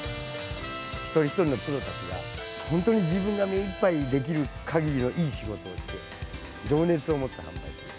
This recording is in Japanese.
一人一人のプロたちが、本当に自分がめいっぱいできるかぎりのいい仕事をして、情熱を持って販売する。